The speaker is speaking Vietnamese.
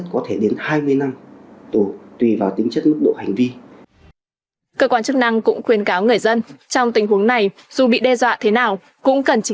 cũng cần trình báo cơ quan công an để phối hợp xử lý vụ việc